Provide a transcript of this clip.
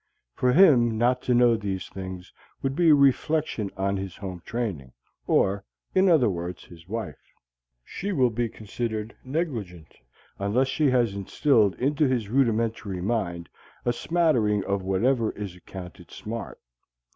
For him not to know these things would be a reflection on his home training, or, in other words, his wife. She will be considered negligent unless she has instilled into his rudimentary mind a smattering of whatever is accounted smart.